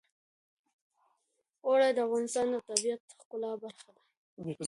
اوړي د افغانستان د طبیعت د ښکلا برخه ده.